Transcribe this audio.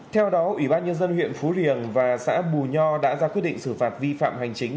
theo đó ủy ban nhân dân huyện phú riềng và xã bù nho đã ra quyết định xử phạt vi phạm hành chính